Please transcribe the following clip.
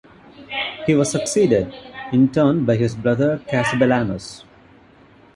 He was succeeded, in turn, by his brother Cassibelanus.